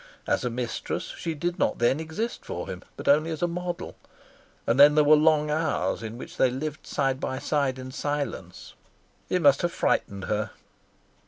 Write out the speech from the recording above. As a mistress she did not then exist for him, but only as a model; and then there were long hours in which they lived side by side in silence. It must have frightened her.